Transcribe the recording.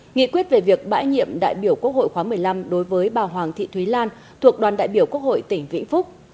nghị quyết về việc bãi nhiệm đại biểu quốc hội khóa một mươi năm đối với bà hoàng thị thúy lan thuộc đoàn đại biểu quốc hội tỉnh vĩnh phúc